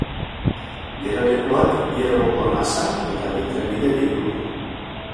Geralekuak bi alboko nasa eta bi trenbide ditu.